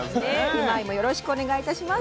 「うまいッ！」もよろしくお願いいたします。